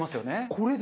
これで！？